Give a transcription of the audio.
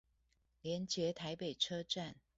連結臺北車站